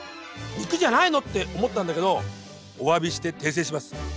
肉じゃないの？って思ったんだけどおわびして訂正します。